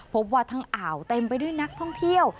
พบว่าทั้งอ่าวเต็มไปด้วยนักท่องเที่ยว